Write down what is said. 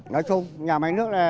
nói chung nhà máy nước